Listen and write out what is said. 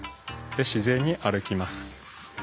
自然に歩きます。